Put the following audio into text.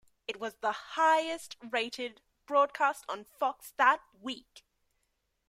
It was the highest-rated broadcast on Fox that week.